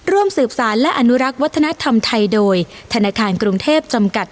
ร่วมสืบสารและอนุรักษ์วัฒนธรรมไทยโดยธนาคารกรุงเทพจำกัด